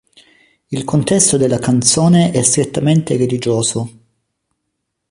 Il contesto della canzone è strettamente religioso.